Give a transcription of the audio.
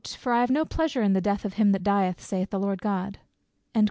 "For I have no pleasure in the death of him that dieth, saith the Lord God."